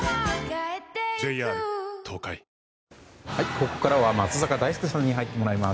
ここからは松坂大輔さんに入ってもらいます。